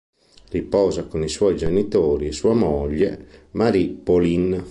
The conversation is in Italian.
Riposa con i suoi genitori e sua moglie Marie-Pauline.